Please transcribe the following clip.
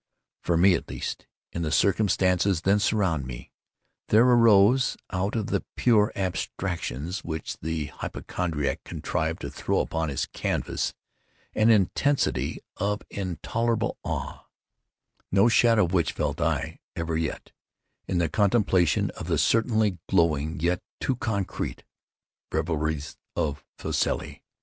For me at least—in the circumstances then surrounding me—there arose out of the pure abstractions which the hypochondriac contrived to throw upon his canvass, an intensity of intolerable awe, no shadow of which felt I ever yet in the contemplation of the certainly glowing yet too concrete reveries of Fuseli.